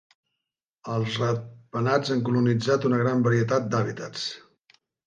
Els ratpenats han colonitzat una gran varietat d'hàbitats.